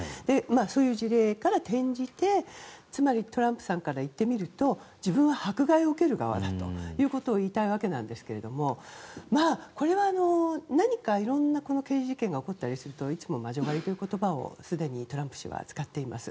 そういう事例から転じてつまりトランプさんから言ってみると自分は迫害を受ける側だということを言いたいわけなんですがこれは何か色んな刑事事件が起こったりするといつも魔女狩りという言葉を常にトランプ氏は使っています。